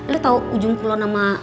lo tau ujung pulau nama